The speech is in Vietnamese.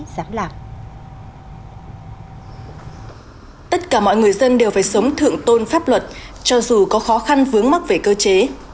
tất cả mọi người dân đều phải sống thượng tôn pháp luật cho dù có khó khăn vướng mắc về cơ chế